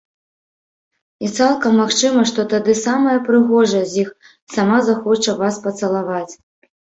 І цалкам магчыма, што тады самая прыгожая з іх сама захоча вас пацалаваць!